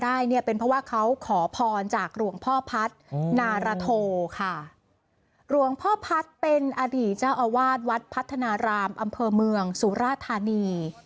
ได้เนี่ยเป็นเพราะว่าเขาขอพรจากหลวงพ่อพัฒนาโทค่ะหลวงพ่อพัฒน์เป็นอดีตเจ้าอาวาสวัดพัฒนารามอำเภอเมืองสุราธานี